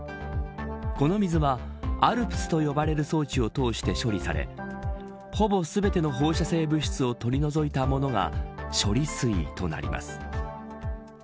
この水は、ＡＬＰＳと呼ばれる装置を通して処理されほぼ全ての放射性物質を取り除いたものが処理水となります。